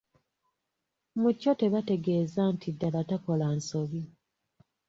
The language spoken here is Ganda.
Mu kyo tebategeeza nti ddala takola nsobi.